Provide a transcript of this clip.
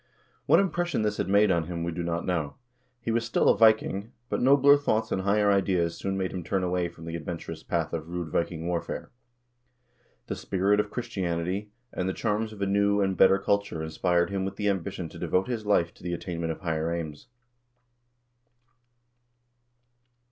What impression this had made on him we do not know. He was still a Viking, but nobler thoughts and higher ideals soon made him turn away from the adventurous path of rude Viking warfare. The spirit of Christianity, and the charms of a new and better culture inspired him with the ambition to devote his life to the attainment of higher aims.